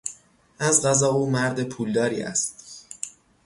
از قضا او مرد پولداری است.